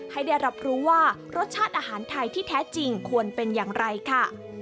ให้ได้รับรู้ว่ารสชาติอาหารไทยที่แท้จริงควรเป็นอย่างไรค่ะ